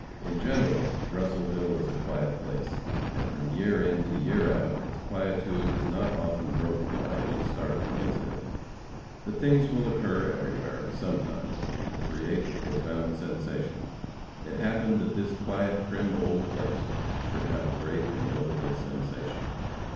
In general, Russellville is a quiet place, and from year in to year out its quietude is not often broken by any startling incident. But things will occur everywhere, sometime, to create a profound sensation. It happened that this quiet, prim old place should have a great and notable sensation.